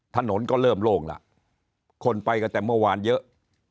ถนนก็เริ่มโล่งแล้วคนไปกันแต่เมื่อวานเยอะ